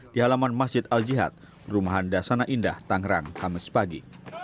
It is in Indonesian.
di halaman masjid al jihad rumahan dasana indah tangerang kamis pagi